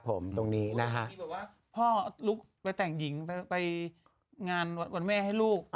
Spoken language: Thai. พ่อลุกไปแต่งดิงไปงานวันแม่ให้ลูก